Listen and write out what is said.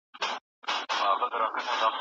په هره خبره کي به مو د خیر غوښتنه وي.